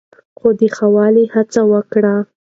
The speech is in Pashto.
خو د ښه والي هڅه وکړئ.